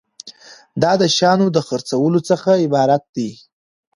دا د شیانو د خرڅولو څخه عبارت دی.